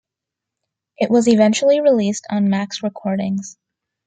It was eventually released on Max Recordings.